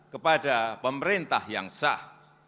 kepada pemerintah yang sah